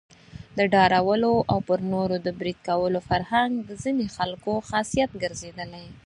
د ډارولو او پر نورو د بريد کولو فرهنګ د ځینو خلکو خاصيت ګرځېدلی.